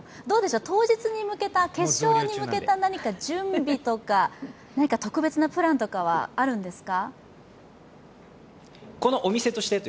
当日に向けた、決勝に向けた何か準備とか、何か特別なプラントかはあるんですか？